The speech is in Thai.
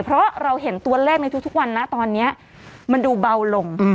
เพราะเราเห็นตัวแรกในทุกวันนี้นะมันดูเบาลง